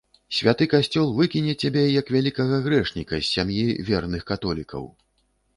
Святы касцёл выкіне цябе, як вялікага грэшніка, з сям'і верных католікаў!